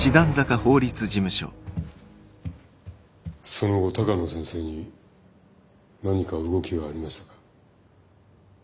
その後鷹野先生に何か動きはありましたか？